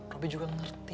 robby juga ngerti